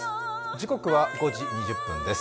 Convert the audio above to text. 時刻は５時２０分です。